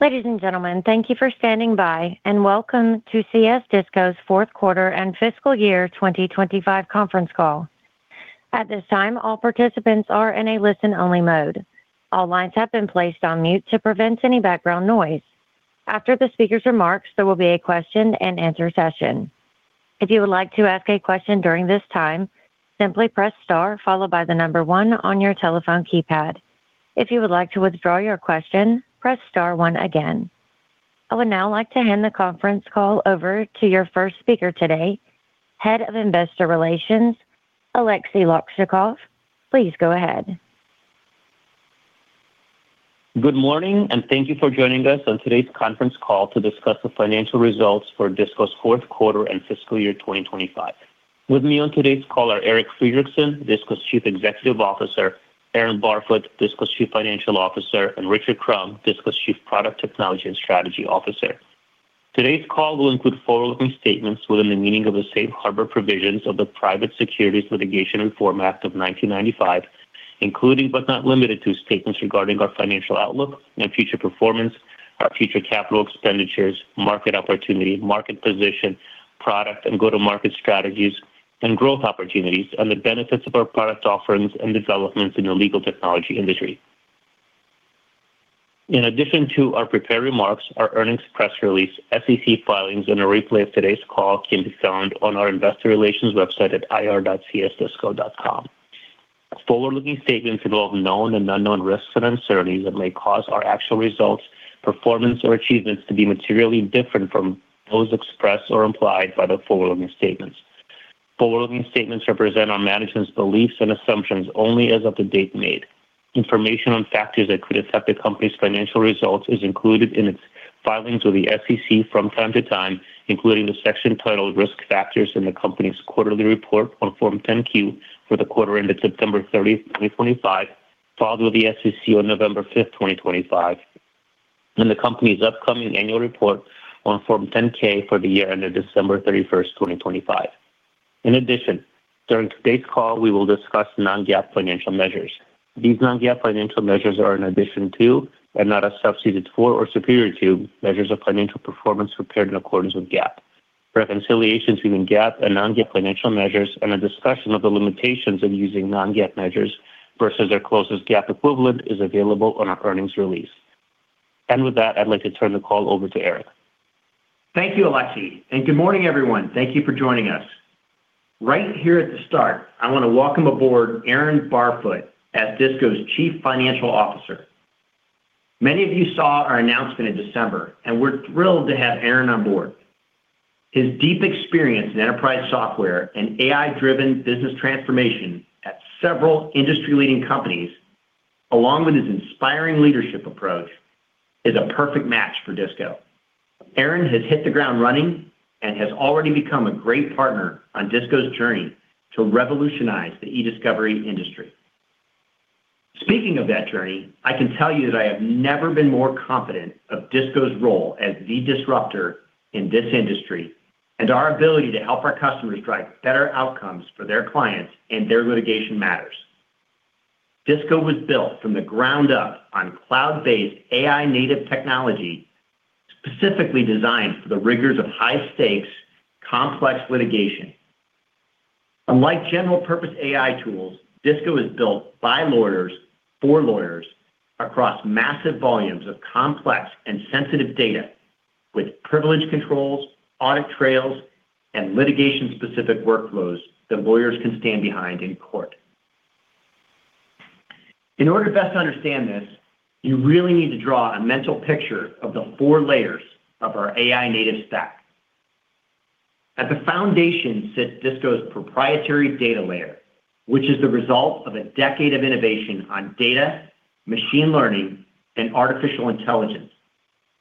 Ladies and gentlemen, thank you for standing by, and welcome to CS DISCO's Q4 and fiscal year 2025 conference call. At this time, all participants are in a listen-only mode. All lines have been placed on mute to prevent any background noise. After the speaker's remarks, there will be a question and answer session. If you would like to ask a question during this time, simply press star followed by the number one on your telephone keypad. If you would like to withdraw your question, press star one again. I would now like to hand the conference call over to your first speaker today, Head of Investor Relations, Aleksey Lakchakov. Please go ahead. Good morning, and thank you for joining us on today's conference call to discuss the financial results for DISCO's Q4 and fiscal year 2025. With me on today's call are Eric Friedrichsen, DISCO's Chief Executive Officer, Aaron Barfoot, DISCO's Chief Financial Officer, and Richard Crum, DISCO's Chief Product, Technology and Strategy Officer. Today's call will include forward-looking statements within the meaning of the Safe Harbor Provisions of the Private Securities Litigation Reform Act of 1995, including but not limited to, statements regarding our financial outlook and future performance, our future capital expenditures, market opportunity, market position, product and go-to-market strategies and growth opportunities, and the benefits of our product offerings and developments in the legal technology industry. In addition to our prepared remarks, our earnings press release, SEC filings, and a replay of today's call can be found on our investor relations website at ir.csdisco.com. Forward-looking statements involve known and unknown risks and uncertainties that may cause our actual results, performance, or achievements to be materially different from those expressed or implied by the forward-looking statements. Forward-looking statements represent our management's beliefs and assumptions only as of the date made. Information on factors that could affect the company's financial results is included in its filings with the SEC from time to time, including the section titled Risk Factors in the company's quarterly report on Form 10-Q for the quarter ended September 30 2025, filed with the SEC on November 5 2025, and the company's upcoming annual report on Form 10-K for the year ended December 31 2025. In addition, during today's call, we will discuss non-GAAP financial measures. These non-GAAP financial measures are in addition to, and not a substituted for or superior to, measures of financial performance prepared in accordance with GAAP. Reconciliations between GAAP and non-GAAP financial measures and a discussion of the limitations in using non-GAAP measures versus their closest GAAP equivalent is available on our earnings release. With that, I'd like to turn the call over to Eric. Thank you, Aleksey. Good morning, everyone. Thank you for joining us. Right here at the start, I want to welcome aboard Aaron Barfoot as DISCO's Chief Financial Officer. Many of you saw our announcement in December. We're thrilled to have Aaron on board. His deep experience in enterprise software and AI-driven business transformation at several industry-leading companies, along with his inspiring leadership approach, is a perfect match for DISCO. Aaron has hit the ground running and has already become a great partner on DISCO's journey to revolutionize the e-discovery industry. Speaking of that journey, I can tell you that I have never been more confident of DISCO's role as the disruptor in this industry and our ability to help our customers drive better outcomes for their clients and their litigation matters. DISCO was built from the ground up on cloud-based, AI-native technology, specifically designed for the rigors of high-stakes, complex litigation. Unlike general-purpose AI tools, DISCO is built by lawyers for lawyers across massive volumes of complex and sensitive data with privilege controls, audit trails, and litigation-specific workflows that lawyers can stand behind in court. In order to best understand this, you really need to draw a mental picture of the four layers of our AI-native stack. At the foundation sits DISCO's proprietary data layer, which is the result of a decade of innovation on data, machine learning, and artificial intelligence,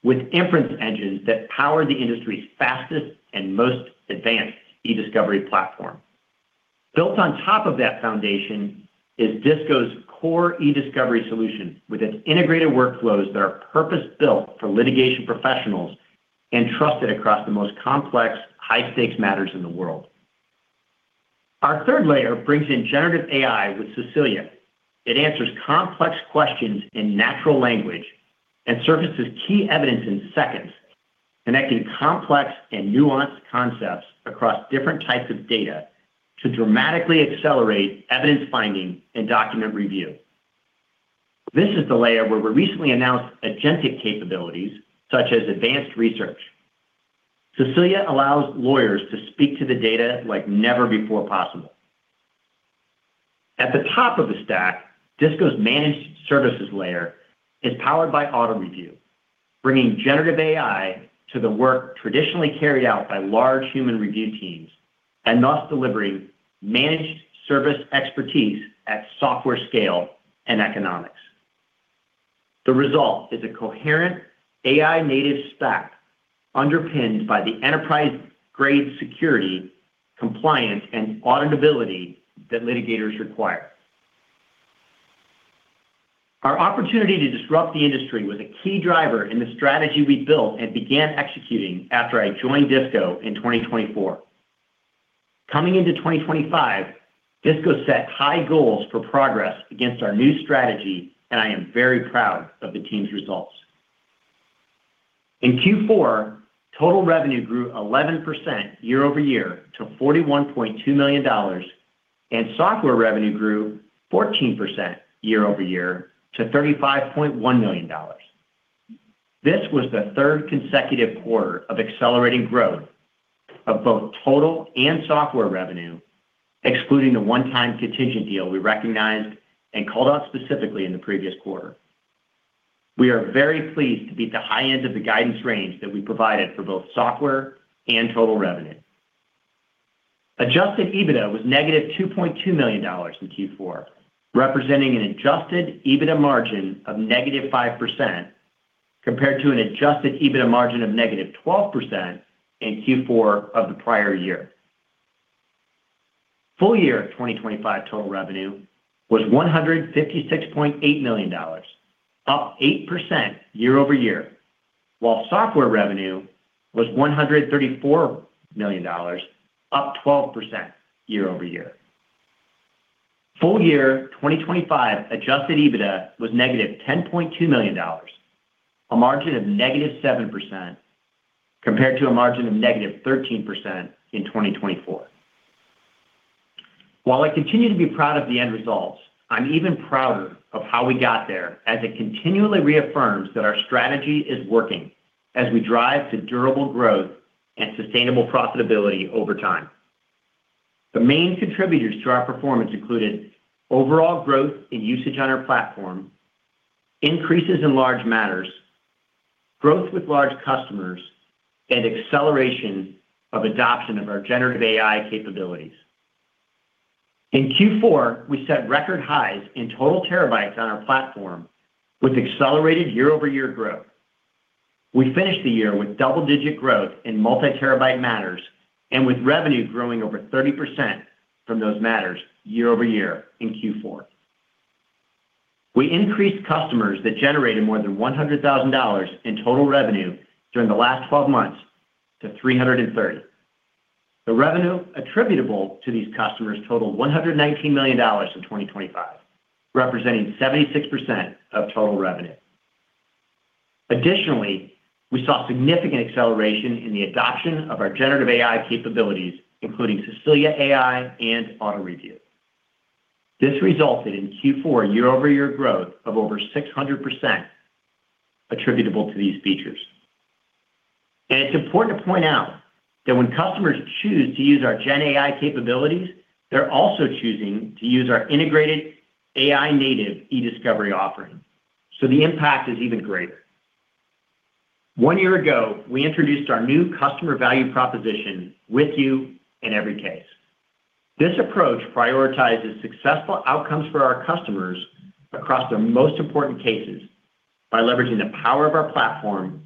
with inference engines that power the industry's fastest and most advanced e-discovery platform. Built on top of that foundation is DISCO's core e-discovery solution, with its integrated workflows that are purpose-built for litigation professionals and trusted across the most complex, high-stakes matters in the world. Our third layer brings in generative AI with Cecilia. It answers complex questions in natural language and surfaces key evidence in seconds, connecting complex and nuanced concepts across different types of data to dramatically accelerate evidence finding and document review. This is the layer where we recently announced agentic capabilities, such as advanced research. Cecilia allows lawyers to speak to the data like never before possible. At the top of the stack, DISCO's managed services layer is powered by Auto Review, bringing generative AI to the work traditionally carried out by large human review teams, and thus delivering managed service expertise at software scale and economics. The result is a coherent AI-native stack underpinned by the enterprise-grade security, compliance, and auditability that litigators require. Our opportunity to disrupt the industry was a key driver in the strategy we built and began executing after I joined DISCO in 2024. Coming into 2025, DISCO set high goals for progress against our new strategy. I am very proud of the team's results. In Q4, total revenue grew 11% year-over-year to $41.2 million. Software revenue grew 14% year-over-year to $35.1 million. This was the third consecutive quarter of accelerating growth of both total and software revenue, excluding the one-time contingent deal we recognized and called out specifically in the previous quarter. We are very pleased to beat the high end of the guidance range that we provided for both software and total revenue. Adjusted EBITDA was negative $2.2 million in Q4, representing an adjustedEBITDA margin of negative 5%, compared to an adjusted EBITDA margin of negative 12% in Q4 of the prior year. Full year 2025 total revenue was $156.8 million, up 8% year-over-year, while software revenue was $134 million, up 12% year-over-year. Full year 2025 adjusted EBITDA was -$10.2 million, a margin of -7%, compared to a margin of -13% in 2024. While I continue to be proud of the end results, I'm even prouder of how we got there, as it continually reaffirms that our strategy is working as we drive to durable growth and sustainable profitability over time. The main contributors to our performance included overall growth in usage on our platform, increases in large matters, growth with large customers, and acceleration of adoption of our generative AI capabilities. In Q4, we set record highs in total terabytes on our platform with accelerated year-over-year growth. We finished the year with double-digit growth in multi-terabyte matters, and with revenue growing over 30% from those matters year-over-year in Q4. We increased customers that generated more than $100,000 in total revenue during the last 12 months to 330. The revenue attributable to these customers totaled $119 million in 2025, representing 76% of total revenue. Additionally, we saw significant acceleration in the adoption of our generative AI capabilities, including Cecilia AI and Auto Review. This resulted in Q4 year-over-year growth of over 600% attributable to these features. It's important to point out that when customers choose to use our GenAI capabilities, they're also choosing to use our integrated AI native e-discovery offering, so the impact is even greater. One year ago, we introduced our new customer value proposition with you in every case. This approach prioritizes successful outcomes for our customers across their most important cases by leveraging the power of our platform,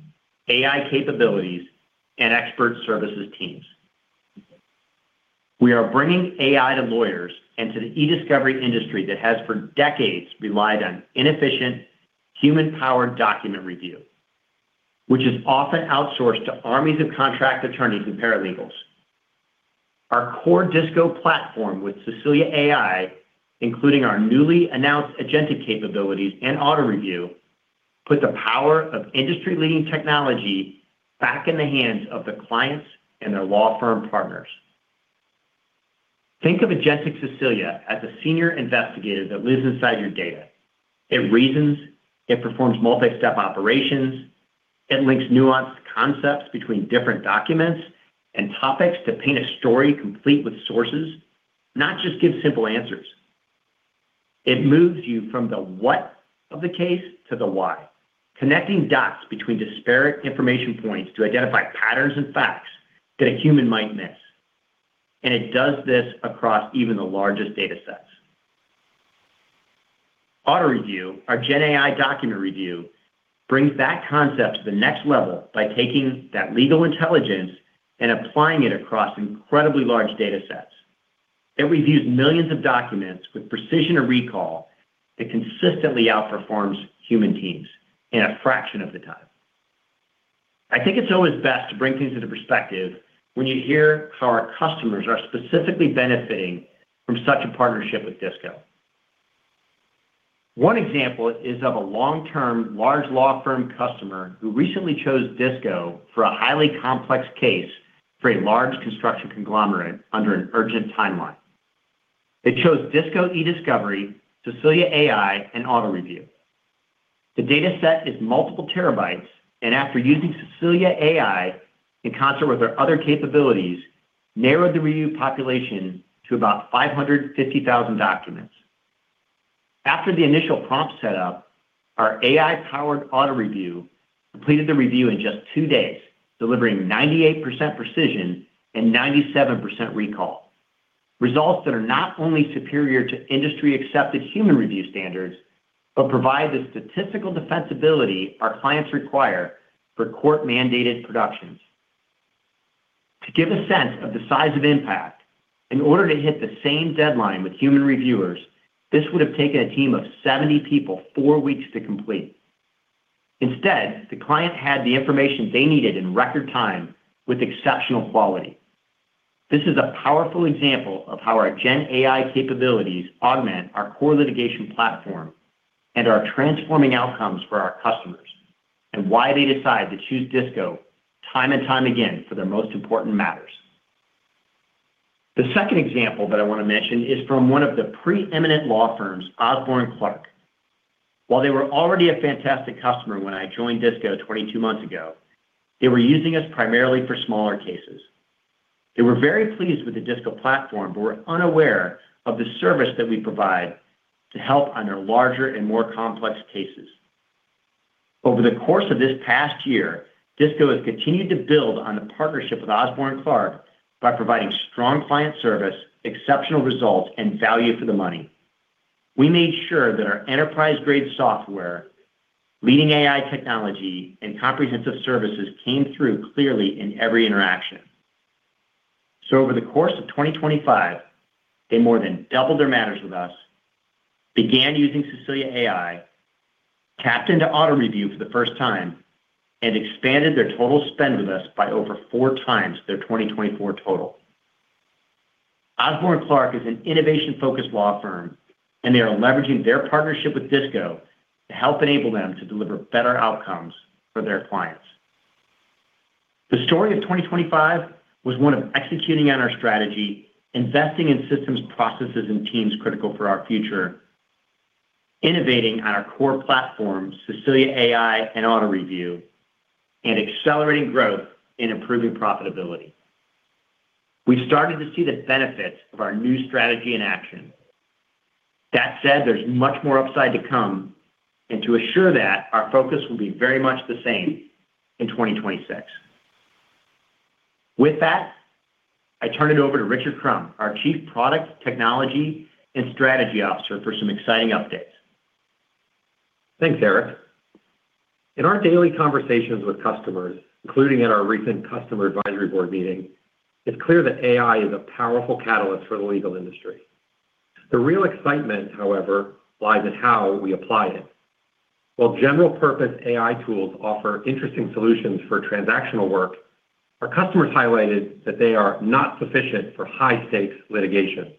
AI capabilities, and expert services teams. We are bringing AI to lawyers and to the e-discovery industry that has, for decades, relied on inefficient, human-powered document review, which is often outsourced to armies of contract attorneys and paralegals. Our core DISCO platform with Cecilia AI, including our newly announced agentic capabilities and Auto Review, put the power of industry-leading technology back in the hands of the clients and their law firm partners. Think of agentic Cecilia as a senior investigator that lives inside your data. It reasons, it performs multi-step operations, it links nuanced concepts between different documents and topics to paint a story, complete with sources, not just give simple answers. It moves you from the what of the case to the why, connecting dots between disparate information points to identify patterns and facts that a human might miss, and it does this across even the largest data sets. Auto Review, our GenAI document review, brings that concept to the next level by taking that legal intelligence and applying it across incredibly large data sets. It reviews millions of documents with precision and recall that consistently outperforms human teams in a fraction of the time. I think it's always best to bring things into perspective when you hear how our customers are specifically benefiting from such a partnership with DISCO. One example is of a long-term, large law firm customer who recently chose DISCO for a highly complex case for a large construction conglomerate under an urgent timeline. They chose DISCO Ediscovery, Cecilia AI, and Auto Review. The data set is multiple terabytes, and after using Cecilia AI in concert with our other capabilities, narrowed the review population to about 550,000 documents. After the initial prompt setup, our AI-powered Auto Review completed the review in just two days, delivering 98% precision and 97% recall. Results that are not only superior to industry-accepted human review standards, but provide the statistical defensibility our clients require for court-mandated productions. To give a sense of the size of impact, in order to hit the same deadline with human reviewers, this would have taken a team of 70 people four weeks to complete. Instead, the client had the information they needed in record time with exceptional quality. This is a powerful example of how our GenAI capabilities augment our core litigation platform and are transforming outcomes for our customers, and why they decide to choose DISCO time and time again for their most important matters. The second example that I wanna mention is from one of the preeminent law firms, Osborne Clarke. While they were already a fantastic customer when I joined DISCO 22 months ago, they were using us primarily for smaller cases. They were very pleased with the DISCO platform, but were unaware of the service that we provide to help on their larger and more complex cases. Over the course of this past year, DISCO has continued to build on the partnership with Osborne Clarke by providing strong client service, exceptional results, and value for the money. We made sure that our enterprise-grade software, leading AI technology, and comprehensive services came through clearly in every interaction. Over the course of 2025, they more than doubled their matters with us, began using Cecilia AI, tapped into Auto Review for the first time, and expanded their total spend with us by over 4x their 2024 total. Osborne Clarke is an innovation-focused law firm, and they are leveraging their partnership with DISCO to help enable them to deliver better outcomes for their clients. The story of 2025 was one of executing on our strategy, investing in systems, processes, and teams critical for our future, innovating on our core platforms, Cecilia AI, and Auto Review, and accelerating growth and improving profitability. We started to see the benefits of our new strategy in action. That said, there's much more upside to come, and to assure that, our focus will be very much the same in 2026. With that, I turn it over to Richard Crum, our Chief Product, Technology, and Strategy Officer, for some exciting updates. Thanks, Eric. In our daily conversations with customers, including at our recent customer advisory board meeting, it's clear that AI is a powerful catalyst for the legal industry. The real excitement, however, lies in how we apply it. While general-purpose AI tools offer interesting solutions for transactional work, our customers highlighted that they are not sufficient for high-stakes litigation.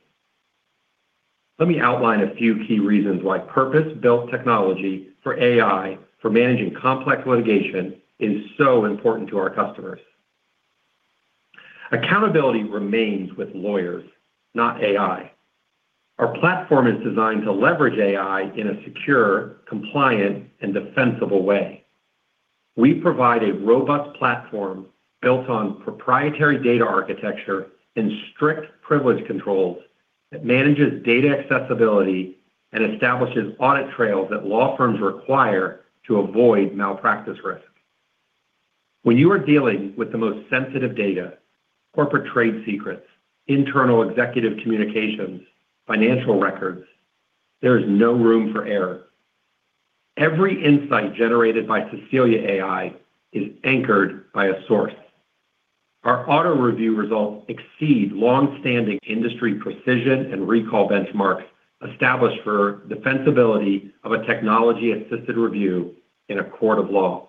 Let me outline a few key reasons why purpose-built technology for AI for managing complex litigation is so important to our customers. Accountability remains with lawyers, not AI. Our platform is designed to leverage AI in a secure, compliant, and defensible way. We provide a robust platform built on proprietary data architecture and strict privilege controls that manages data accessibility and establishes audit trails that law firms require to avoid malpractice risk. When you are dealing with the most sensitive data, corporate trade secrets, internal executive communications, financial records, there is no room for error. Every insight generated by Cecilia AI is anchored by a source. Our Auto Review results exceed long-standing industry precision and recall benchmarks established for defensibility of a technology-assisted review in a court of law.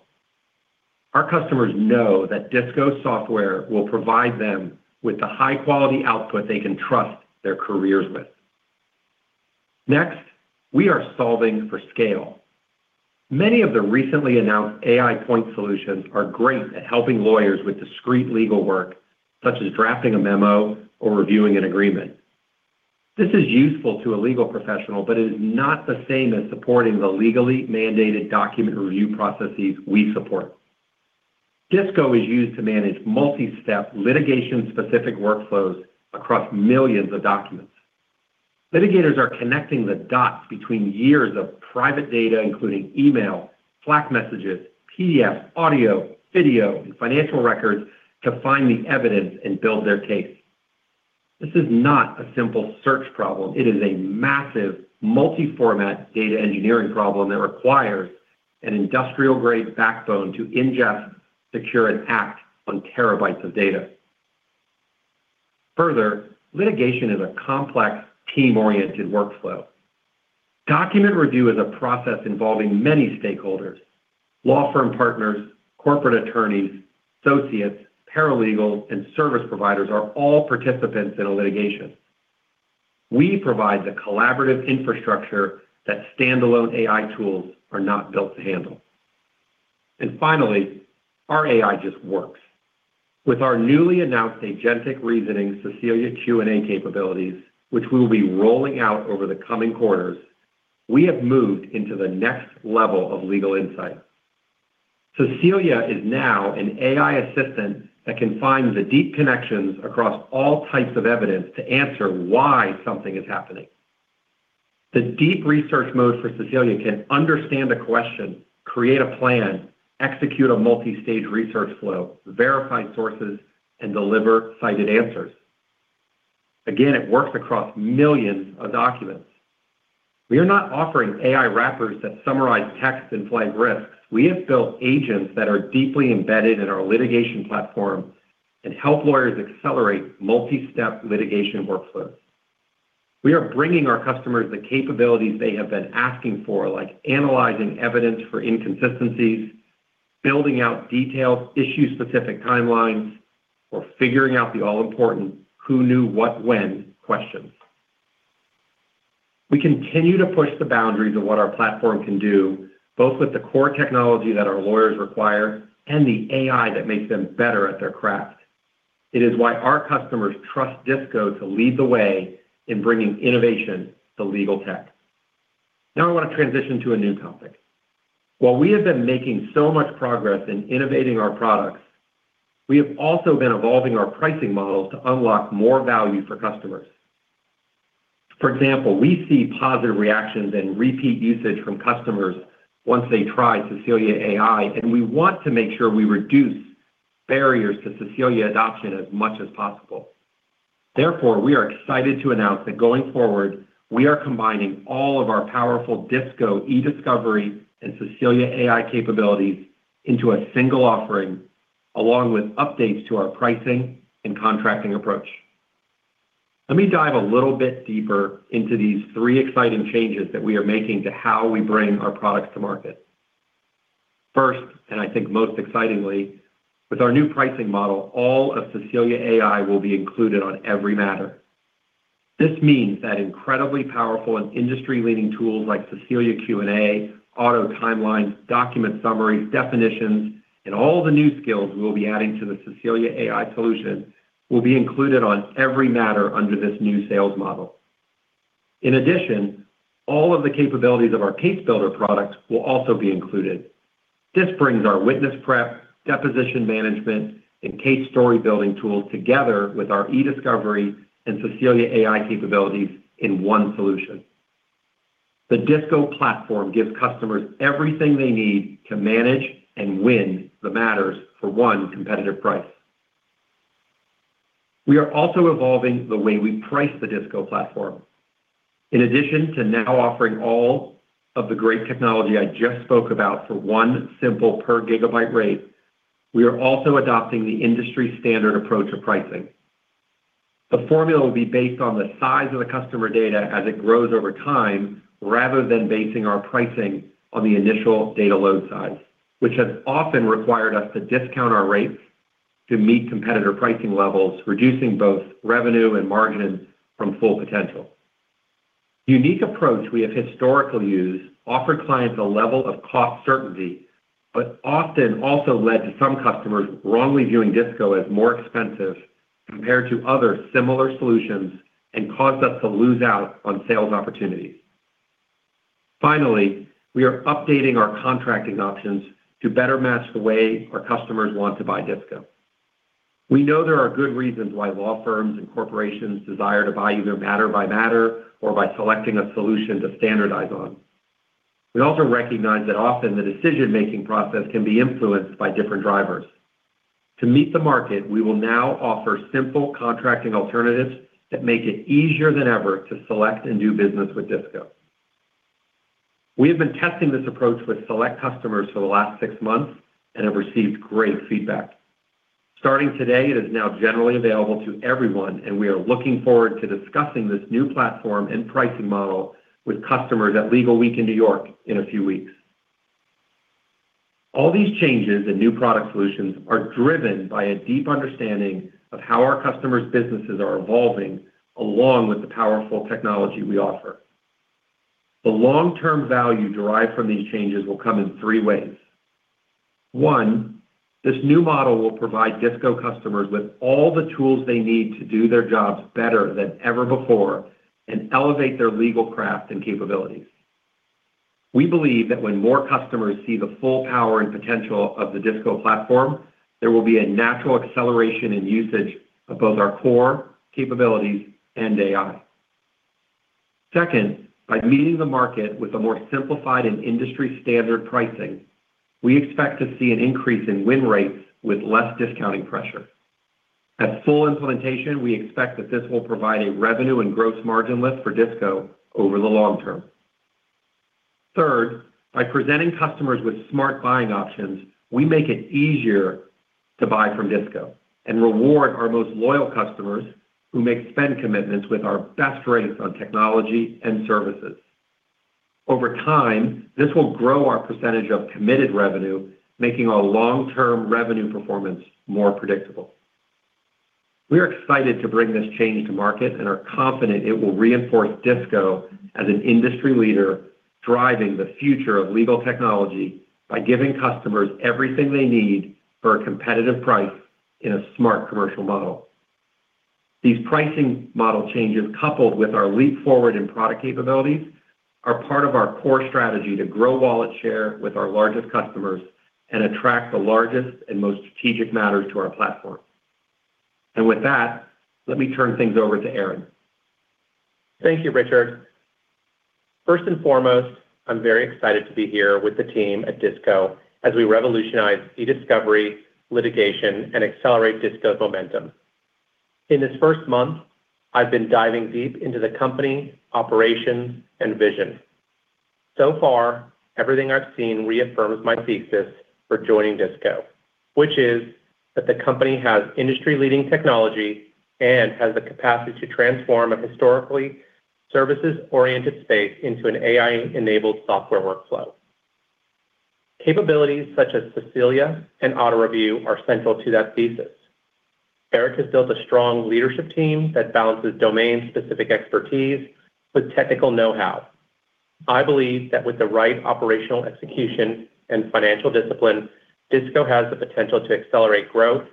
Our customers know that DISCO software will provide them with the high-quality output they can trust their careers with. We are solving for scale. Many of the recently announced AI point solutions are great at helping lawyers with discrete legal work, such as drafting a memo or reviewing an agreement. This is useful to a legal professional, but it is not the same as supporting the legally mandated document review processes we support. DISCO is used to manage multi-step, litigation-specific workflows across millions of documents. Litigators are connecting the dots between years of private data, including email, Slack messages, PDFs, audio, video, and financial records, to find the evidence and build their case. This is not a simple search problem. It is a massive multi-format data engineering problem that requires an industrial-grade backbone to ingest, secure, and act on terabytes of data. Further, litigation is a complex, team-oriented workflow. Document review is a process involving many stakeholders. Law firm partners, corporate attorneys, associates, paralegals, and service providers are all participants in a litigation. We provide the collaborative infrastructure that standalone AI tools are not built to handle. Finally, our AI just works. With our newly announced agentic reasoning, Cecilia Q&A capabilities, which we will be rolling out over the coming quarters, we have moved into the next level of legal insight. Cecilia is now an AI assistant that can find the deep connections across all types of evidence to answer why something is happening. The deep research mode for Cecilia can understand a question, create a plan, execute a multi-stage research flow, verify sources, and deliver cited answers. It works across millions of documents. We are not offering AI wrappers that summarize text and flag risks. We have built agents that are deeply embedded in our litigation platform and help lawyers accelerate multi-step litigation workflows. We are bringing our customers the capabilities they have been asking for, like analyzing evidence for inconsistencies, building out detailed issue-specific timelines, or figuring out the all-important who knew what, when questions. We continue to push the boundaries of what our platform can do, both with the core technology that our lawyers require and the AI that makes them better at their craft. It is why our customers trust DISCO to lead the way in bringing innovation to legal tech. I want to transition to a new topic. While we have been making so much progress in innovating our products, we have also been evolving our pricing models to unlock more value for customers. For example, we see positive reactions and repeat usage from customers once they try Cecilia AI, and we want to make sure we reduce barriers to Cecilia adoption as much as possible. We are excited to announce that going forward, we are combining all of our powerful DISCO, Ediscovery, and Cecilia AI capabilities into a single offering, along with updates to our pricing and contracting approach. Let me dive a little bit deeper into these three exciting changes that we are making to how we bring our products to market. First, I think most excitingly, with our new pricing model, all of Cecilia AI will be included on every matter. This means that incredibly powerful and industry-leading tools like Cecilia Q&A, Auto Timelines, Document Summaries, Definitions, and all the new skills we will be adding to the Cecilia AI solution, will be included on every matter under this new sales model. In addition, all of the capabilities of our Case Builder products will also be included. This brings our witness prep, deposition management, and case story building tools together with our Ediscovery and Cecilia AI capabilities in one solution. The DISCO platform gives customers everything they need to manage and win the matters for one competitive price. We are also evolving the way we price the DISCO platform. In addition to now offering all of the great technology I just spoke about for one simple per gigabyte rate, we are also adopting the industry-standard approach to pricing. The formula will be based on the size of the customer data as it grows over time, rather than basing our pricing on the initial data load size, which has often required us to discount our rates to meet competitor pricing levels, reducing both revenue and margin from full potential. Unique approach we have historically used, offered clients a level of cost certainty, but often also led to some customers wrongly viewing DISCO as more expensive compared to other similar solutions and caused us to lose out on sales opportunities. Finally, we are updating our contracting options to better match the way our customers want to buy DISCO. We know there are good reasons why law firms and corporations desire to buy either matter by matter or by selecting a solution to standardize on. We also recognize that often the decision-making process can be influenced by different drivers. To meet the market, we will now offer simple contracting alternatives that make it easier than ever to select and do business with DISCO. We have been testing this approach with select customers for the last six months and have received great feedback. Starting today, it is now generally available to everyone, and we are looking forward to discussing this new platform and pricing model with customers at Legalweek in New York in a few weeks. All these changes and new product solutions are driven by a deep understanding of how our customers' businesses are evolving, along with the powerful technology we offer. The long-term value derived from these changes will come in three ways. One, this new model will provide DISCO customers with all the tools they need to do their jobs better than ever before and elevate their legal craft and capabilities. We believe that when more customers see the full power and potential of the DISCO platform, there will be a natural acceleration in usage of both our core capabilities and AI. Second, by meeting the market with a more simplified and industry-standard pricing, we expect to see an increase in win rates with less discounting pressure. At full implementation, we expect that this will provide a revenue and gross margin lift for DISCO over the long term. By presenting customers with smart buying options, we make it easier to buy from DISCO and reward our most loyal customers who make spend commitments with our best rates on technology and services. Over time, this will grow our percentage of committed revenue, making our long-term revenue performance more predictable. We are excited to bring this change to market and are confident it will reinforce DISCO as an industry leader, driving the future of legal technology by giving customers everything they need for a competitive price in a smart commercial model. These pricing model changes, coupled with our leap forward in product capabilities, are part of our core strategy to grow wallet share with our largest customers and attract the largest and most strategic matters to our platform. With that, let me turn things over to Aaron. Thank you, Richard. First and foremost, I'm very excited to be here with the team at DISCO as we revolutionize e-discovery, litigation, and accelerate DISCO's momentum. In this first month, I've been diving deep into the company, operations, and vision. Far, everything I've seen reaffirms my thesis for joining DISCO, which is that the company has industry-leading technology and has the capacity to transform a historically services-oriented space into an AI-enabled software workflow. Capabilities such as Cecilia and Auto Review are central to that thesis. Eric has built a strong leadership team that balances domain-specific expertise with technical know-how. I believe that with the right operational execution and financial discipline, DISCO has the potential to accelerate growth,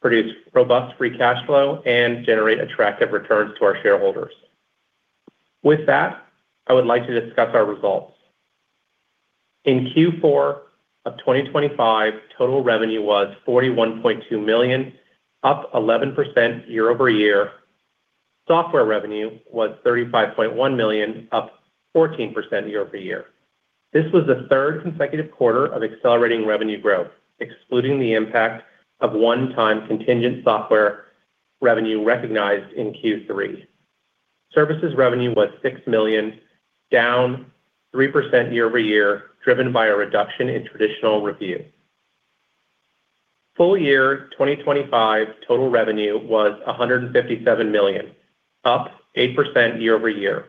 produce robust free cash flow, and generate attractive returns to our shareholders. With that, I would like to discuss our results. In Q4 of 2025, total revenue was $41.2 million, up 11% year-over-year. Software revenue was $35.1 million, up 14% year-over-year. This was the third consecutive quarter of accelerating revenue growth, excluding the impact of one-time contingent software revenue recognized in Q3. Services revenue was $6 million, down 3% year-over-year, driven by a reduction in traditional review. Full year 2025, total revenue was $157 million, up 8% year-over-year.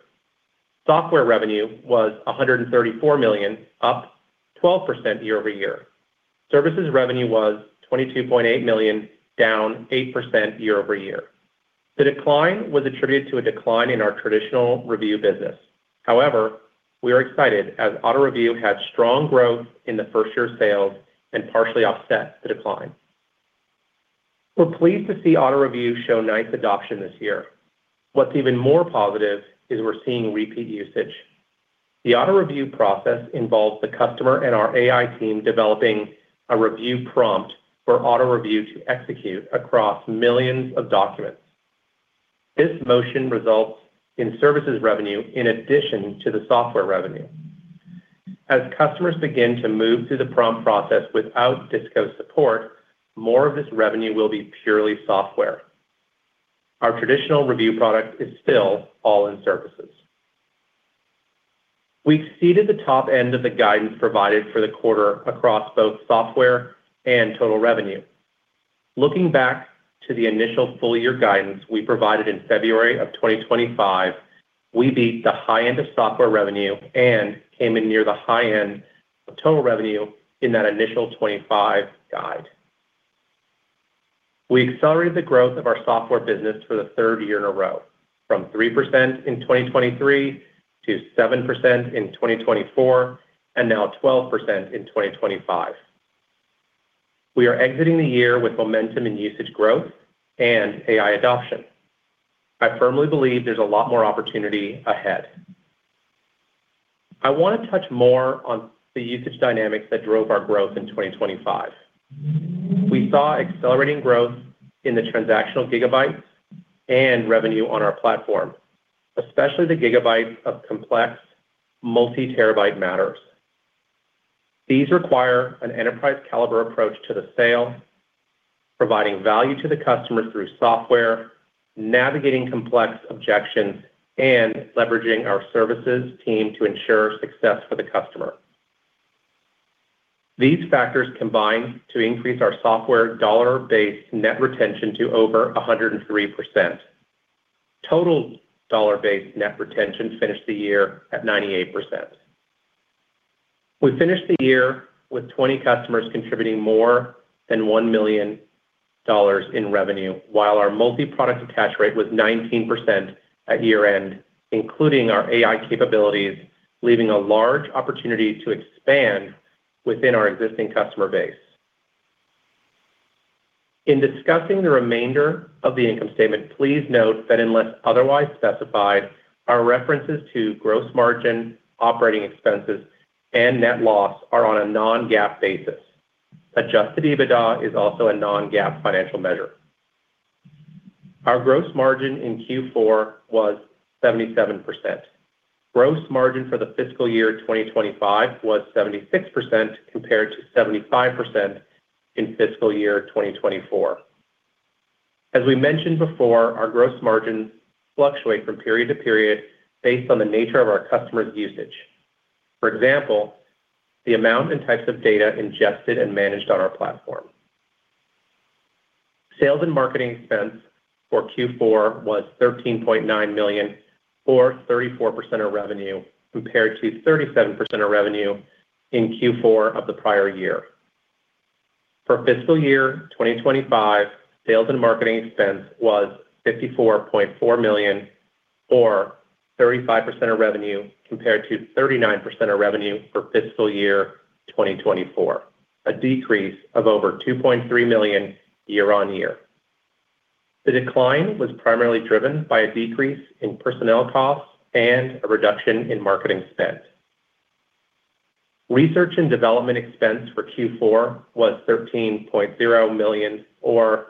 Software revenue was $134 million, up 12% year-over-year. Services revenue was $22.8 million, down 8% year-over-year. The decline was attributed to a decline in our traditional review business. We are excited as Auto Review had strong growth in the first-year sales and partially offset the decline. We're pleased to see Auto Review show nice adoption this year. What's even more positive is we're seeing repeat usage. The Auto Review process involves the customer and our AI team developing a review prompt for Auto Review to execute across millions of documents. This motion results in services revenue in addition to the software revenue. As customers begin to move through the prompt process without DISCO's support, more of this revenue will be purely software. Our traditional review product is still all in services. We exceeded the top end of the guidance provided for the quarter across both software and total revenue. Looking back to the initial full year guidance we provided in February of 2025, we beat the high end of software revenue and came in near the high end of total revenue in that initial 2025 guide. We accelerated the growth of our software business for the third year in a row, from 3% in 2023 to 7% in 2024, and now 12% in 2025. We are exiting the year with momentum in usage growth and AI adoption. I firmly believe there's a lot more opportunity ahead. I want to touch more on the usage dynamics that drove our growth in 2025. We saw accelerating growth in the transactional gigabytes and revenue on our platform, especially the gigabytes of complex multi-terabyte matters. These require an enterprise-caliber approach to the sale, providing value to the customer through software, navigating complex objections, and leveraging our services team to ensure success for the customer. These factors combined to increase our software dollar-based net retention to over 103%. Total dollar-based net retention finished the year at 98%. We finished the year with 20 customers contributing more than $1 million in revenue, while our multi-product attach rate was 19% at year-end, including our AI capabilities, leaving a large opportunity to expand within our existing customer base. In discussing the remainder of the income statement, please note that unless otherwise specified, our references to gross margin, operating expenses, and net loss are on a non-GAAP basis. Adjusted EBITDA is also a non-GAAP financial measure. Our gross margin in Q4 was 77%. Gross margin for the fiscal year 2025 was 76%, compared to 75% in fiscal year 2024. As we mentioned before, our gross margins fluctuate from period to period based on the nature of our customers' usage. For example, the amount and types of data ingested and managed on our platform. Sales and marketing expense for Q4 was $13.9 million, or 34% of revenue, compared to 37% of revenue in Q4 of the prior year. For fiscal year 2025, sales and marketing expense was $54.4 million, or 35% of revenue, compared to 39% of revenue for fiscal year 2024, a decrease of over $2.3 million year-over-year. The decline was primarily driven by a decrease in personnel costs and a reduction in marketing spend. Research and development expense for Q4 was $13.0 million, or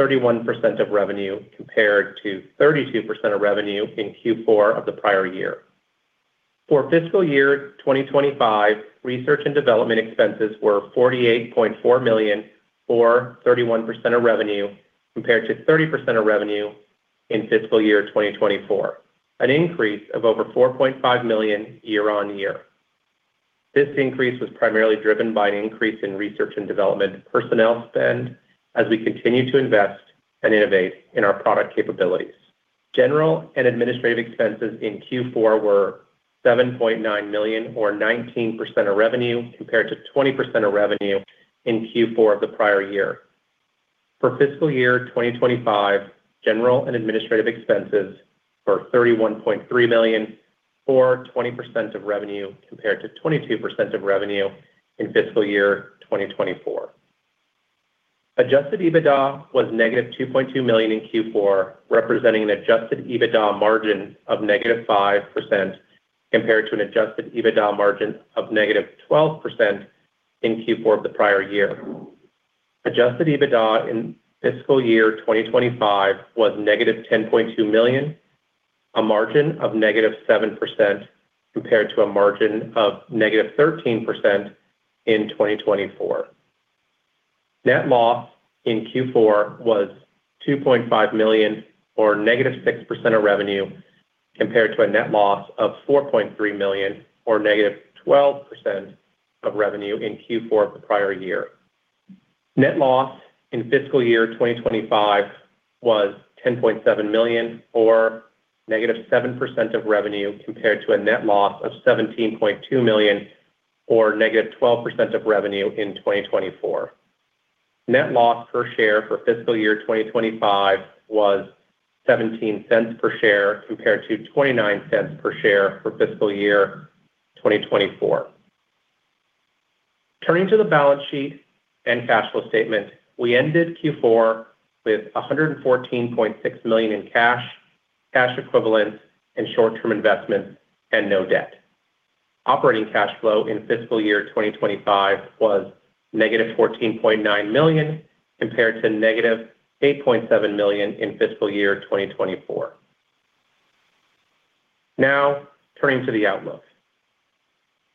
31% of revenue, compared to 32% of revenue in Q4 of the prior year. For fiscal year 2025, research and development expenses were $48.4 million, or 31% of revenue, compared to 30% of revenue. in fiscal year 2024, an increase of over $4.5 million year-on-year. This increase was primarily driven by an increase in research and development personnel spend as we continue to invest and innovate in our product capabilities. General and administrative expenses in Q4 were $7.9 million, or 19% of revenue, compared to 20% of revenue in Q4 of the prior year. For fiscal year 2025, general and administrative expenses were $31.3 million, or 20% of revenue, compared to 22% of revenue in fiscal year 2024. Adjusted EBITDA was -$2.2 million in Q4, representing an adjusted EBITDA margin of -5% compared to an adjusted EBITDA margin of -12% in Q4 of the prior year. Adjusted EBITDA in fiscal year 2025 was -$10.2 million, a margin of -7% compared to a margin of -13% in 2024. Net loss in Q4 was $2.5 million, or -6% of revenue, compared to a net loss of $4.3 million, or -12% of revenue in Q4 of the prior year. Net loss in fiscal year 2025 was $10.7 million, or -7% of revenue, compared to a net loss of $17.2 million, or -12% of revenue in 2024. Net loss per share for fiscal year 2025 was $0.17 per share, compared to $0.29 per share for fiscal year 2024. Turning to the balance sheet and cash flow statement, we ended Q4 with $114.6 million in cash equivalents, and short-term investments, and no debt. Operating cash flow in fiscal year 2025 was -$14.9 million, compared to -$8.7 million in fiscal year 2024. Turning to the outlook.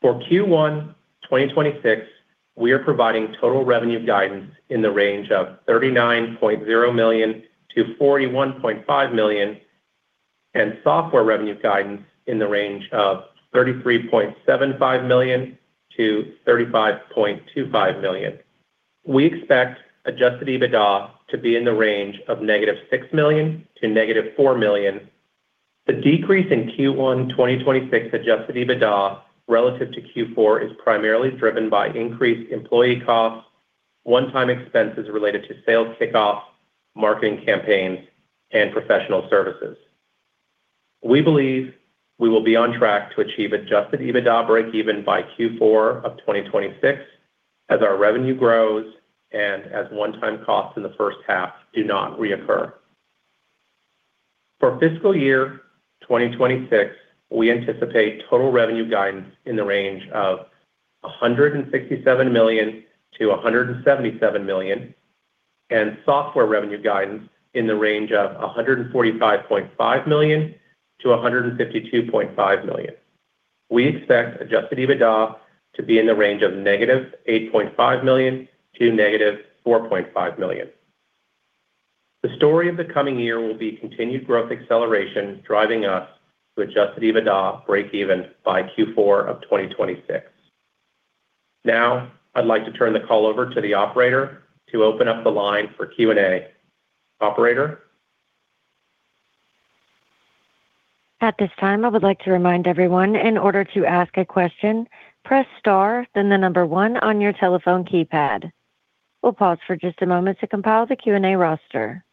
For Q1 2026, we are providing total revenue guidance in the range of $39.0 million-$41.5 million, and software revenue guidance in the range of $33.75 million-$35.25 million. We expect adjusted EBITDA to be in the range of -$6 million to -$4 million. The decrease in Q1 2026 adjusted EBITDA relative to Q4 is primarily driven by increased employee costs, one-time expenses related to sales kickoff, marketing campaigns, and professional services. We believe we will be on track to achieve adjusted EBITDA breakeven by Q4 of 2026 as our revenue grows and as one-time costs in the first half do not reoccur. For fiscal year 2026, we anticipate total revenue guidance in the range of $167 million-$177 million, and software revenue guidance in the range of $145.5 million-$152.5 million. We expect adjusted EBITDA to be in the range of -$8.5 million to -$4.5 million. The story of the coming year will be continued growth acceleration, driving us to adjusted EBITDA breakeven by Q4 of 2026. I'd like to turn the call over to the operator to open up the line for Q&A. Operator? At this time, I would like to remind everyone, in order to ask a question, press star, then 1 on your telephone keypad. We'll pause for just a moment to compile the Q&A roster.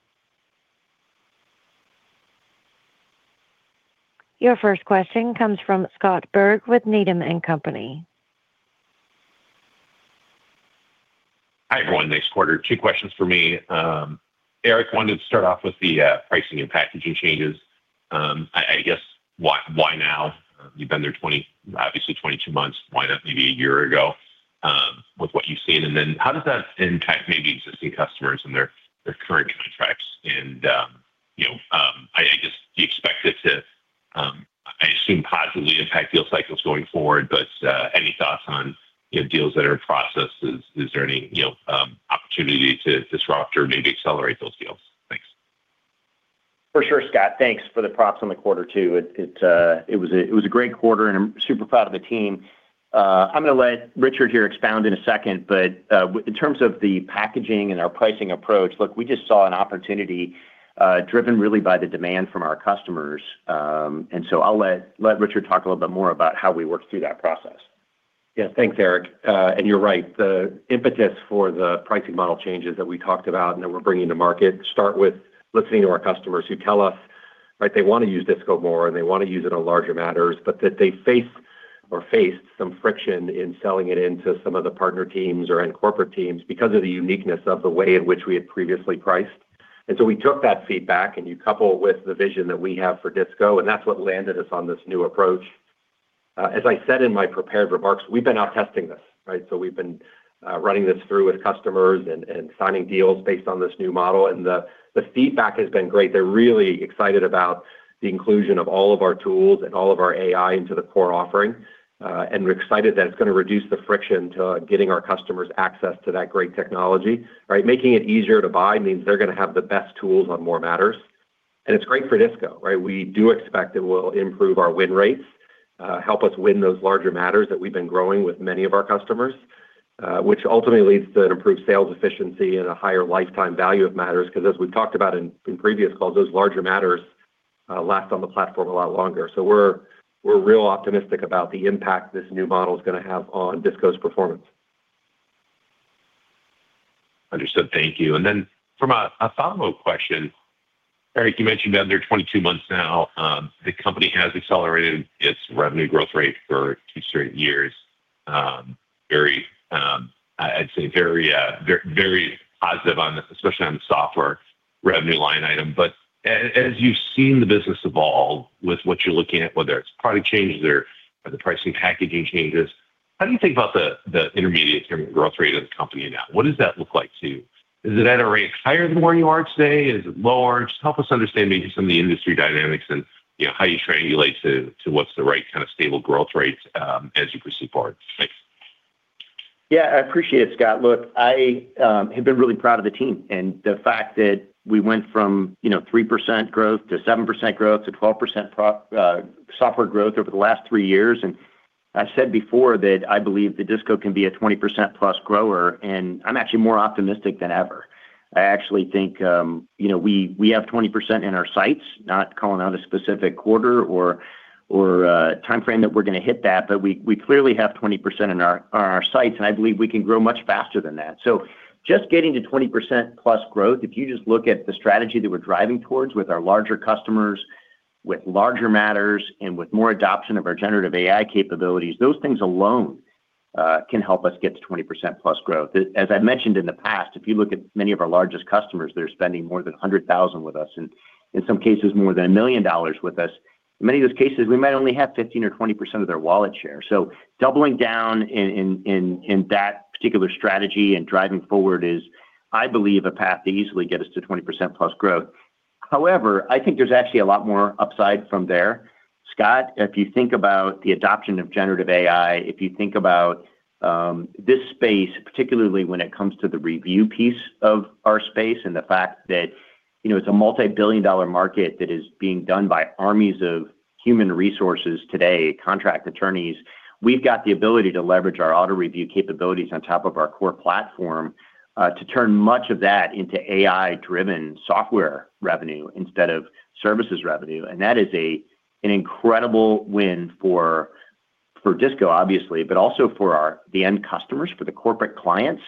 Your first question comes from Scott Berg with Needham & Company. Hi, everyone. Nice quarter. Two questions for me. Eric, wanted to start off with the pricing and packaging changes. I guess why now? You've been there obviously 22 months. Why not maybe a year ago with what you've seen? How does that impact maybe existing customers and their current contracts? You know, you expect it to, I assume, positively impact deal cycles going forward. Any thoughts on, you know, deals that are in process? Is there any, you know, opportunity to disrupt or maybe accelerate those deals? Thanks. For sure, Scott. Thanks for the props on the quarter, too. It was a great quarter, and I'm super proud of the team. I'm going to let Richard here expound in a second, but, in terms of the packaging and our pricing approach, look, we just saw an opportunity, driven really by the demand from our customers. I'll let Richard talk a little bit more about how we worked through that process. Thanks, Eric. You're right. The impetus for the pricing model changes that we talked about and that we're bringing to market start with listening to our customers who tell us, right, they want to use DISCO more, and they want to use it on larger matters, but that they face or faced some friction in selling it into some of the partner teams or in corporate teams because of the uniqueness of the way in which we had previously priced. We took that feedback, and you couple it with the vision that we have for DISCO, That's what landed us on this new approach. As I said in my prepared remarks, we've been out testing this, right? We've been running this through with customers and signing deals based on this new model, and the feedback has been great. They're really excited about the inclusion of all of our tools and all of our AI into the core offering. We're excited that it's going to reduce the friction to getting our customers access to that great technology, right? Making it easier to buy means they're going to have the best tools on more matters. It's great for DISCO, right? We do expect it will improve our win rates, help us win those larger matters that we've been growing with many of our customers, which ultimately leads to an improved sales efficiency and a higher lifetime value of matters, 'cause as we've talked about in previous calls, those larger matters last on the platform a lot longer. We're, we're real optimistic about the impact this new model is gonna have on DISCO's performance. Understood. Thank you. Then for my, a follow-up question. Eric, you mentioned that under 22 months now, the company has accelerated its revenue growth rate for two straight years. very, I'd say very positive on, especially on the software revenue line item. As you've seen the business evolve with what you're looking at, whether it's product changes or the pricing packaging changes, how do you think about the intermediate growth rate of the company now? What does that look like to you? Is it at a rate higher than where you are today? Is it lower? Just help us understand maybe some of the industry dynamics and, you know, how you triangulate to what's the right kind of stable growth rate as you proceed forward. Thanks. I appreciate it, Scott. Look, I have been really proud of the team and the fact that we went from, you know, 3% growth to 7% growth to 12% software growth over the last three years. I said before that I believe the DISCO can be a 20%+ grower, and I'm actually more optimistic than ever. I actually think, you know, we have 20% in our sights, not calling out a specific quarter or a timeframe that we're gonna hit that, but we clearly have 20% in our sights, and I believe we can grow much faster than that. Just getting to 20%+ growth, if you just look at the strategy that we're driving towards with our larger customers, with larger matters, and with more adoption of our generative AI capabilities, those things alone can help us get to 20%+ growth. As I mentioned in the past, if you look at many of our largest customers, they're spending more than $100,000 with us, and in some cases, more than $1 million with us. In many of those cases, we might only have 15% or 20% of their wallet share. Doubling down in that particular strategy and driving forward is, I believe, a path to easily get us to 20%+ growth. However, I think there's actually a lot more upside from there. Scott, if you think about the adoption of generative AI, if you think about this space, particularly when it comes to the review piece of our space and the fact that, you know, it's a multi-billion dollar market that is being done by armies of human resources today, contract attorneys, we've got the ability to leverage our Auto Review capabilities on top of our core platform to turn much of that into AI-driven software revenue instead of services revenue. That is an incredible win for DISCO, obviously, but also for the end customers, for the corporate clients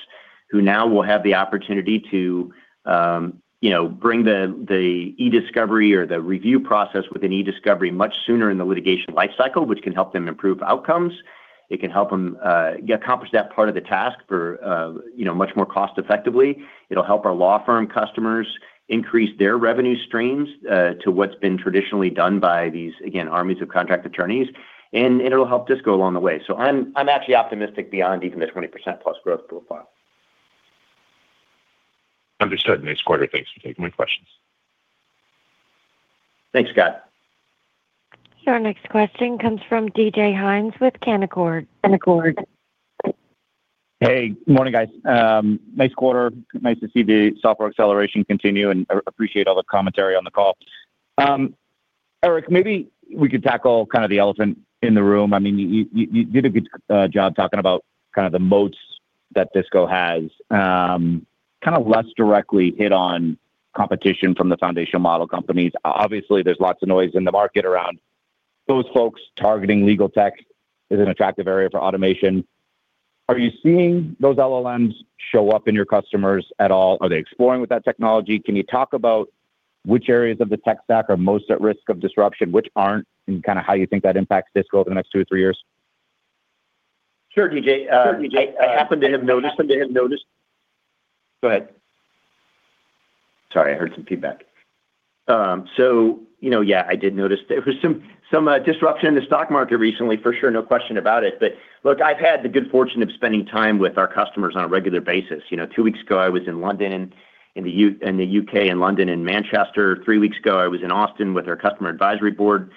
who now will have the opportunity to, you know, bring the e-discovery or the review process with an e-discovery much sooner in the litigation life cycle, which can help them improve outcomes. It can help them accomplish that part of the task for, you know, much more cost-effectively. It'll help our law firm customers increase their revenue streams to what's been traditionally done by these, again, armies of contract attorneys, and it'll help DISCO along the way. I'm actually optimistic beyond even the 20%+ growth profile. Understood. Nice quarter. Thanks for taking my questions. Thanks, Scott. Your next question comes from DJ Hynes with Canaccord. Hey, good morning, guys. Nice quarter. Nice to see the software acceleration continue, and I appreciate all the commentary on the call. Eric, maybe we could tackle kind of the elephant in the room. I mean, you, you did a good job talking about kind of the moats that DISCO has. kind of less directly hit on competition from the foundational model companies. Obviously, there's lots of noise in the market around those folks. Targeting legal tech is an attractive area for automation. Are you seeing those LLMs show up in your customers at all? Are they exploring with that technology? Can you talk about which areas of the tech stack are most at risk of disruption, which aren't, and kinda how you think that impacts DISCO over the next two, three years? Sure, DJ. Go ahead. Sorry, I heard some feedback. You know, yeah, I did notice there was some disruption in the stock market recently, for sure, no question about it. Look, I've had the good fortune of spending time with our customers on a regular basis. You know, two weeks ago, I was in London, in the U.K., in London and Manchester. three weeks ago, I was in Austin with our customer advisory board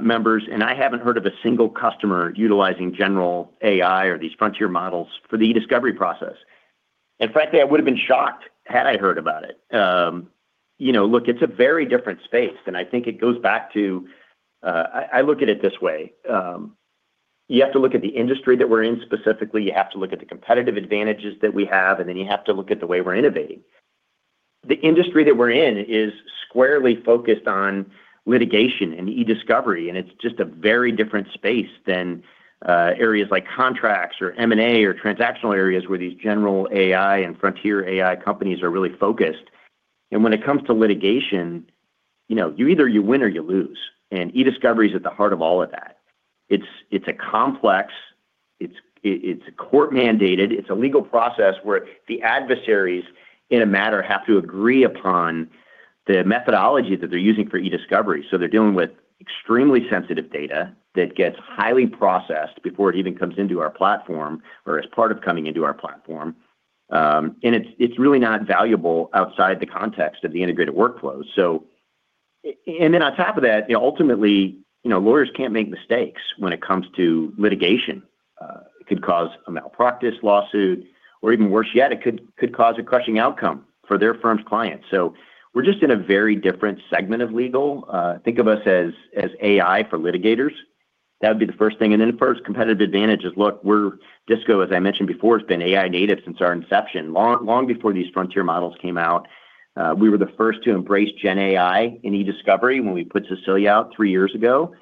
members, and I haven't heard of a single customer utilizing general AI or these frontier models for the e-discovery process. Frankly, I would have been shocked had I heard about it. You know, look, it's a very different space, and I think it goes back to... I look at it this way: you have to look at the industry that we're in specifically, you have to look at the competitive advantages that we have, then you have to look at the way we're innovating. The industry that we're in is squarely focused on litigation and Ediscovery, it's just a very different space than areas like contracts or M&A or transactional areas where these general AI and frontier AI companies are really focused. When it comes to litigation, you know, you either you win or you lose, Ediscovery is at the heart of all of that. It's a complex, it's a court-mandated, it's a legal process where the adversaries in a matter have to agree upon the methodology that they're using for Ediscovery. They're dealing with extremely sensitive data that gets highly processed before it even comes into our platform or as part of coming into our platform. It's, it's really not valuable outside the context of the integrated workflows. Then on top of that, you know, ultimately, you know, lawyers can't make mistakes when it comes to litigation. It could cause a malpractice lawsuit, or even worse yet, it could cause a crushing outcome for their firm's clients. We're just in a very different segment of legal. Think of us as AI for litigators. That would be the first thing. Then the first competitive advantage is, look, we're DISCO, as I mentioned before, has been AI native since our inception. Long, long before these frontier models came out, we were the first to embrace GenAI in Ediscovery when we put Cecilia out three years ago.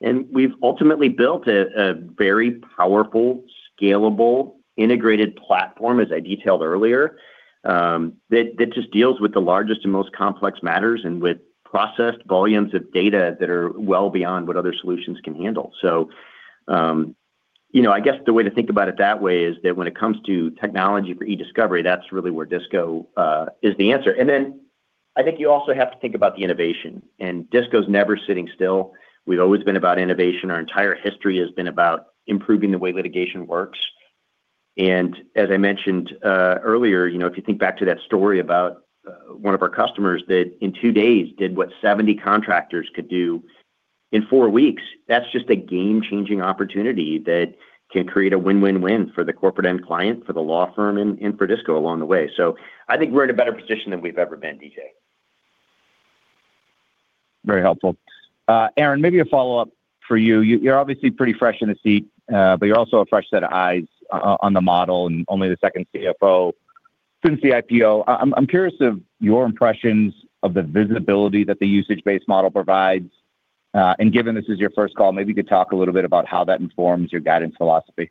We've ultimately built a very powerful, scalable, integrated platform, as I detailed earlier, that just deals with the largest and most complex matters and with processed volumes of data that are well beyond what other solutions can handle. You know, I guess the way to think about it that way is that when it comes to technology for Ediscovery, that's really where DISCO is the answer. Then I think you also have to think about the innovation, and DISCO's never sitting still. We've always been about innovation. Our entire history has been about improving the way litigation works. As I mentioned, earlier, you know, if you think back to that story about one of our customers that in two days did what 70 contractors could do in four weeks, that's just a game-changing opportunity that can create a win-win-win for the corporate end client, for the law firm, and for DISCO along the way. I think we're in a better position than we've ever been, DJ. Very helpful. Aaron, maybe a follow-up for you. You're obviously pretty fresh in the seat, but you're also a fresh set of eyes on the model and only the second CFO since the IPO. I'm curious of your impressions of the visibility that the usage-based model provides, and given this is your first call, maybe you could talk a little bit about how that informs your guidance philosophy.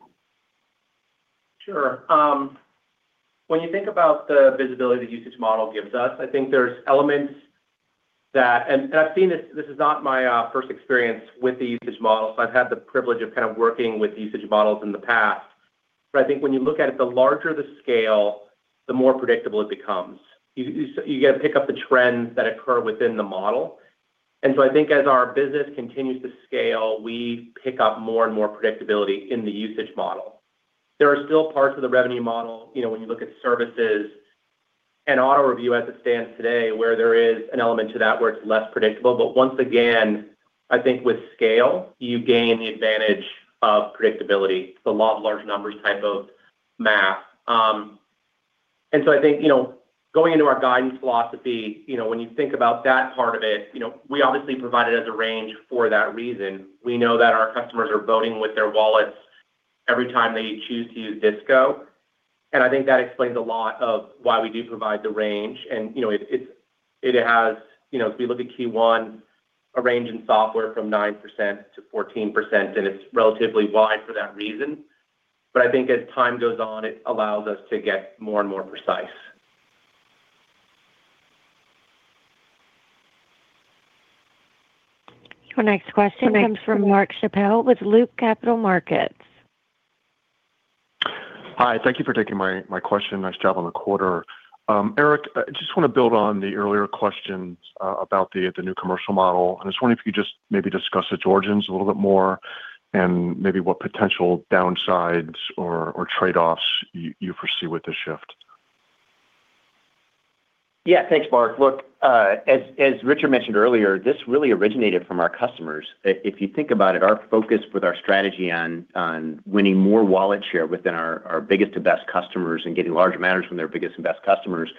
Sure. When you think about the visibility the usage model gives us, I think there's elements that... I've seen this is not my first experience with the usage model, so I've had the privilege of kind of working with usage models in the past. I think when you look at it, the larger the scale, the more predictable it becomes. You got to pick up the trends that occur within the model. I think as our business continues to scale, we pick up more and more predictability in the usage model. There are still parts of the revenue model, you know, when you look at services and Auto Review as it stands today, where there is an element to that where it's less predictable. Once again, I think with scale, you gain the advantage of predictability, the law of large numbers type of math. I think, you know, going into our guidance philosophy, you know, when you think about that part of it, you know, we obviously provide it as a range for that reason. We know that our customers are voting with their wallets every time they choose to use DISCO, and I think that explains a lot of why we do provide the range. You know, if you look at Q1, a range in software from 9% to 14%, and it's relatively wide for that reason. I think as time goes on, it allows us to get more and more precise. Your next question comes from Mark Schappel with Loop Capital Markets. Hi, thank you for taking my question. Nice job on the quarter. Eric, I just want to build on the earlier questions about the new commercial model, and I was wondering if you could just maybe discuss the origins a little bit more and maybe what potential downsides or trade-offs you foresee with this shift? Thanks, Mark. Look, as Richard mentioned earlier, this really originated from our customers. If you think about it, our focus with our strategy on winning more wallet share within our biggest and best customers and getting larger matters from their biggest and best customers,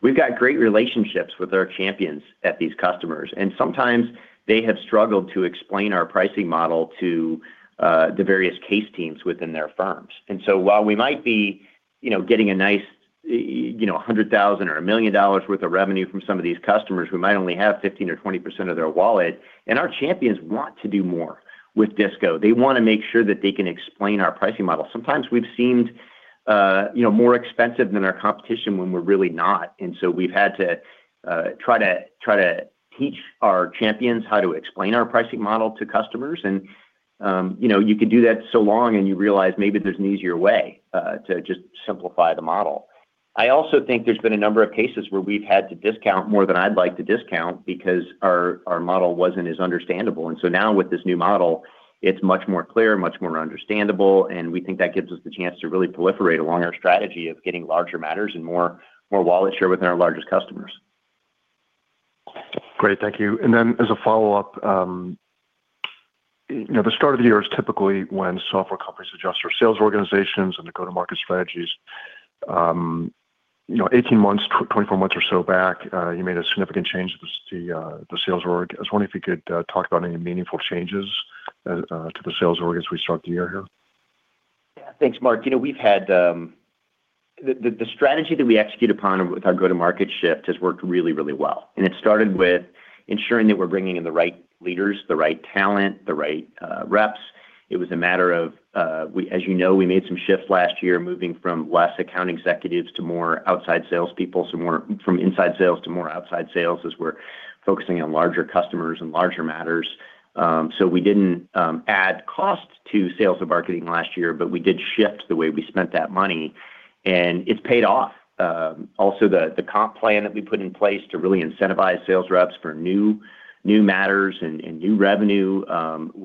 we've got great relationships with our champions at these customers, and sometimes they have struggled to explain our pricing model to the various case teams within their firms. While we might be, you know, getting a nice, you know, $100,000 or $1 million worth of revenue from some of these customers who might only have 15% or 20% of their wallet, our champions want to do more with DISCO. They want to make sure that they can explain our pricing model. Sometimes we've seemed, you know, more expensive than our competition when we're really not, so we've had to try to teach our champions how to explain our pricing model to customers. You know, you can do that so long, and you realize maybe there's an easier way to just simplify the model. I also think there's been a number of cases where we've had to discount more than I'd like to discount because our model wasn't as understandable. Now with this new model, it's much more clear, much more understandable, and we think that gives us the chance to really proliferate along our strategy of getting larger matters and more wallet share within our largest customers. Great. Thank you. As a follow-up, you know, the start of the year is typically when software companies adjust their sales organizations and the go-to-market strategies. You know, 18 months, 24 months or so back, you made a significant change to the sales org. I was wondering if you could talk about any meaningful changes to the sales org as we start the year here? Yeah. Thanks, Mark. You know, we've had. The strategy that we execute upon with our go-to-market shift has worked really, really well, and it started with ensuring that we're bringing in the right leaders, the right talent, the right reps. It was a matter of, as you know, we made some shifts last year, moving from less account executives to more outside salespeople, so more from inside sales to more outside sales, as we're focusing on larger customers and larger matters. We didn't add cost to sales and marketing last year, but we did shift the way we spent that money, and it's paid off. Also, the comp plan that we put in place to really incentivize sales reps for new matters and new revenue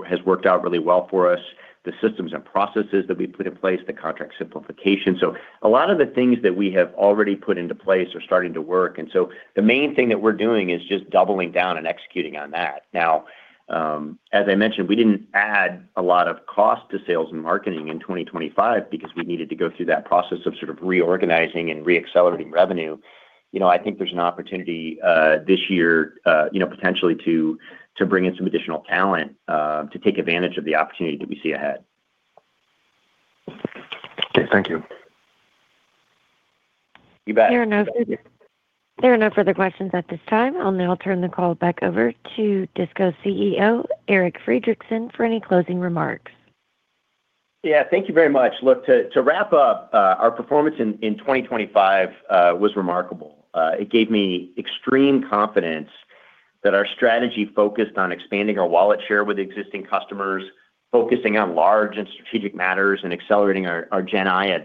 has worked out really well for us, the systems and processes that we put in place, the contract simplification. A lot of the things that we have already put into place are starting to work, and so the main thing that we're doing is just doubling down and executing on that. As I mentioned, we didn't add a lot of cost to sales and marketing in 2025 because we needed to go through that process of sort of reorganizing and reaccelerating revenue. You know, I think there's an opportunity this year, you know, potentially to bring in some additional talent to take advantage of the opportunity that we see ahead. Okay, thank you. You bet. There are no further questions at this time. I'll now turn the call back over to DISCO's CEO, Eric Friedrichsen, for any closing remarks. Yeah, thank you very much. Look, to wrap up, our performance in 2025 was remarkable. It gave me extreme confidence that our strategy focused on expanding our wallet share with existing customers, focusing on large and strategic matters, and accelerating our GenAI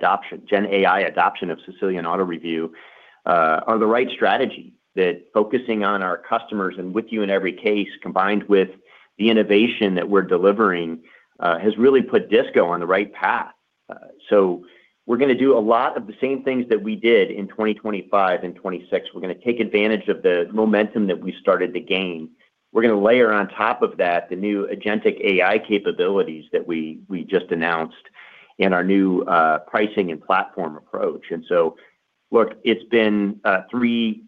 adoption of Cecilia and Auto Review are the right strategy. Focusing on our customers and with you in every case, combined with the innovation that we're delivering, has really put DISCO on the right path. We're gonna do a lot of the same things that we did in 2025 and 2026. We're gonna take advantage of the momentum that we started to gain. We're gonna layer on top of that the new agentic AI capabilities that we just announced in our new pricing and platform approach. Look, it's been three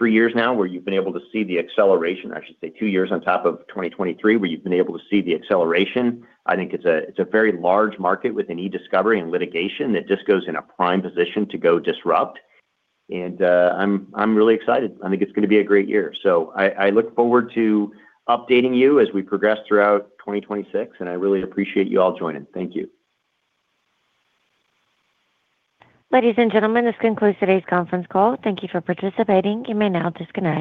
years now where you've been able to see the acceleration, I should say two years on top of 2023, where you've been able to see the acceleration. I think it's a very large market with an Ediscovery and litigation that just goes in a prime position to go disrupt. I'm really excited. I think it's gonna be a great year. I look forward to updating you as we progress throughout 2026, and I really appreciate you all joining. Thank you. Ladies and gentlemen, this concludes today's conference call. Thank you for participating. You may now disconnect.